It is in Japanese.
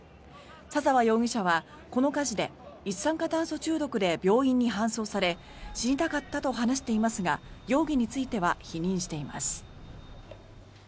左澤容疑者はこの火事で一酸化炭素中毒で病院に搬送され死にたかったと話していますが容疑については否認しています。